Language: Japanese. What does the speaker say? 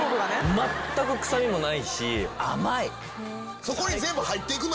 全く臭みもないし。